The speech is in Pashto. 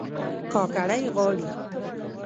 کاکړۍ غاړي